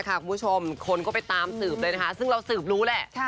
คุณผู้ชมคนก็ไปตามสืบเลยนะคะซึ่งเราสืบรู้แหละ